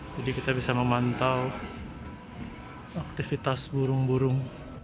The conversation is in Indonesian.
jadi kita bisa memantau aktivitas burung burung